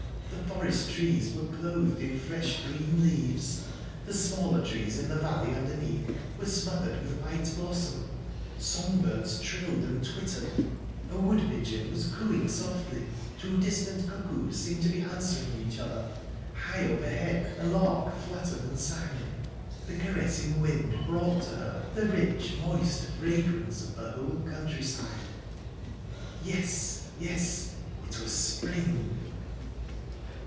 The forest trees were clothed in fresh green leaves, the smaller trees in the valley underneath were smothered with white blossom, song birds trilled and twittered, a wood pigeon was cooing softly, two distant cuckoos seemed to be answering each other, high overhead a lark fluttered and sang. The caressing wind brought to her the rich, moist fragrance of the whole countryside...Yes, yes it was spring!...